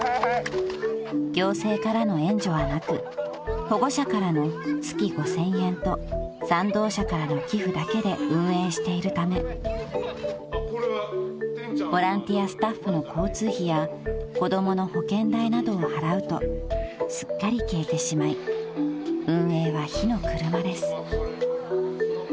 ［行政からの援助はなく保護者からの月５，０００円と賛同者からの寄付だけで運営しているためボランティアスタッフの交通費や子供の保険代などを払うとすっかり消えてしまい運営は火の車です］